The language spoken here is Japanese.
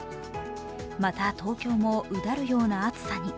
また、東京もうだるような暑さに。